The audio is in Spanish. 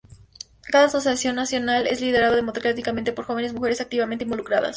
Cada asociación nacional es liderada democráticamente por jóvenes mujeres activamente involucradas.